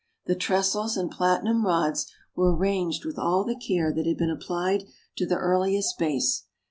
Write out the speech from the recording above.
The trestles and platinum rods were arranged with all the care that had been applied to the earliest base.